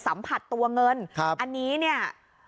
สัมผัสตัวเงินอันนี้เนี่ย